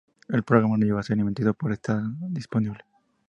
El programa no llegó a ser emitido pero está disponible.